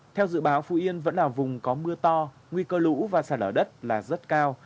theo dự báo phú yên vẫn là vùng có mưa to nguy cơ lũ và sạt lở đất là rất cao